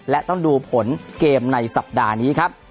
และต้องดูผลเกมในสัปดาห์นี้ครับ